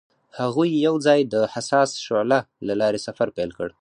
هغوی یوځای د حساس شعله له لارې سفر پیل کړ.